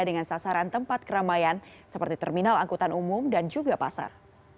dengan sasaran tempat keramaian seperti terminal angkutan umum dan juga pasar